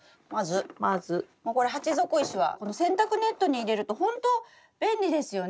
まずもうこれ鉢底石はこの洗濯ネットに入れるとほんと便利ですよね。